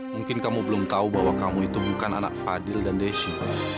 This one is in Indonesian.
mungkin kamu belum tahu bahwa kamu itu bukan anak fadil dan desy